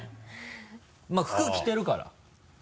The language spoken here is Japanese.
まぁ服着てるから。